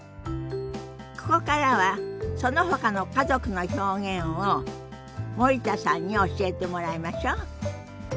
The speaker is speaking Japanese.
ここからはそのほかの家族の表現を森田さんに教えてもらいましょ。